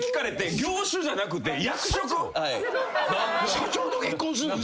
社長と結婚すんの！？